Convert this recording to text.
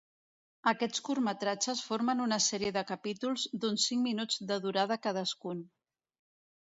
Aquests curtmetratges formen una sèrie de capítols, d’uns cinc minuts de durada cadascun.